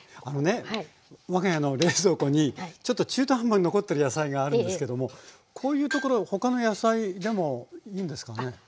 あのね我が家の冷蔵庫にちょっと中途半端に残ってる野菜があるんですけどもこういうところへ他の野菜でもいいんですかね？